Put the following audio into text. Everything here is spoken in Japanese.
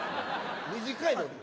短いので。